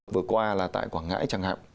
vừa qua là tại quảng ngãi chẳng hạn